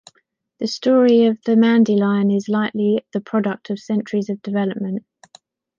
The story of the Mandylion is likely the product of centuries of development.